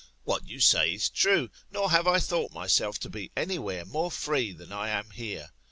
What you say is true, nor have I thought myself to be any where more free than I am here.